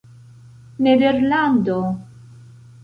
nederlando